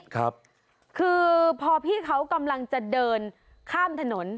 คือพอพี่เขากำลังจะเดินข้ามถนน